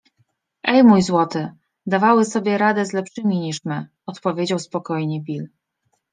- Ej, mój złoty, dawały sobie radę z lepszymi niż my! - odpowiedział spokojnie Bill.